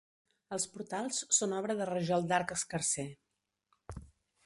Els portals són obra de rajol d'arc escarser.